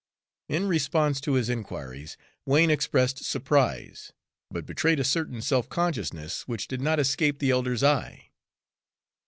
In response to his inquiries, Wain expressed surprise, but betrayed a certain self consciousness which did not escape the elder's eye.